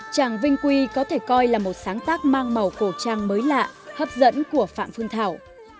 tràng vinh quy có thể coi là một sáng tác mang màu cổ trang mới lạ hấp dẫn của phạm phương thảo